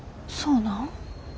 そうなん？